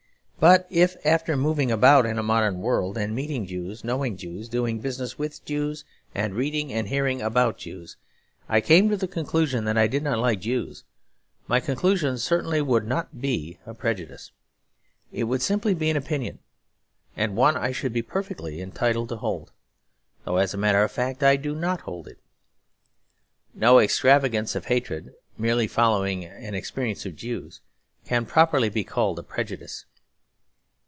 But if after moving about in the modern world and meeting Jews, knowing Jews, doing business with Jews, and reading and hearing about Jews, I came to the conclusion that I did not like Jews, my conclusion certainly would not be a prejudice. It would simply be an opinion; and one I should be perfectly entitled to hold; though as a matter of fact I do not hold it. No extravagance of hatred merely following on experience of Jews can properly be called a prejudice.